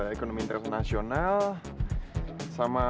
ekonomi internasional juga